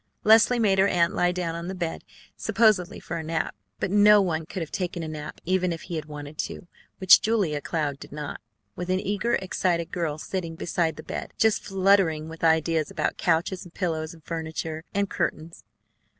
Leslie made her aunt lie down on the bed, supposedly for a nap; but no one could have taken a nap even if he had wanted to which Julia Cloud did not with an eager, excited girl sitting beside the bed, just fluttering with ideas about couches and pillows and furniture and curtains.